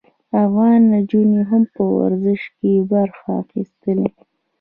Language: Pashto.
افغان نجونو هم په ورزش کې برخه اخیستې.